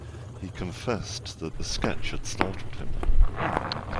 He confessed that the sketch had startled him.